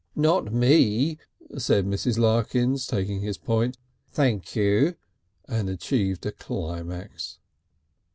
"Not me," said Mrs. Larkins, taking his point, "thank you," and achieved a climax.